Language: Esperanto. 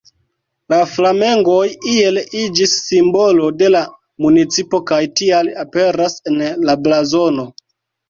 La flamengoj iel iĝis simbolo de la municipo kaj tial aperas en la blazono.